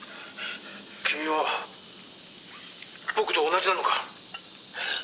「君は僕と同じなのか？」